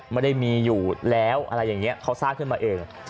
ไม่ได้มีอยู่แล้วอะไรอย่างนี้เขาสร้างขึ้นมาเอง